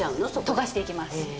溶かしていきます。